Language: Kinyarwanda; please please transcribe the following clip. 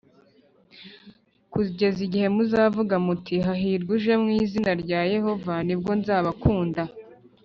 kugeza igihe muzavuga muti hahirwa uje mu izina rya Yehova nibwo nzabakunda